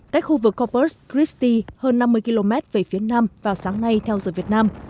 cách khu vực corpus christi hơn năm mươi km về phía nam vào sáng nay theo giờ việt nam